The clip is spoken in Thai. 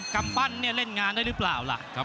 กำปัญเร่งานได้หรือเปล่าล่ะ